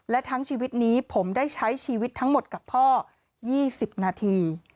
และทั้งชีวิตนี้ผมได้ใช้ชีวิตทั้งหมดกับพ่อ๒๐นาที